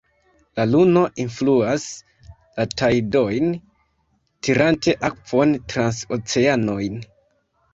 La luno influas la tajdojn, tirante akvon trans oceanojn.